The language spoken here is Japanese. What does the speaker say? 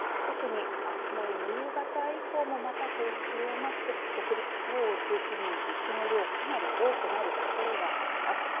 特にあすの夕方以降も、また強まって北陸地方を中心に雪の量かなり多くなるおそれがあります。